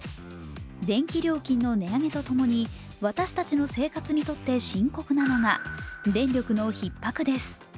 電気料金の値上げとともに私たちの生活にとって深刻なのが電力のひっ迫です。